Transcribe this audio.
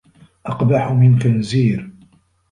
أقبح من خنزير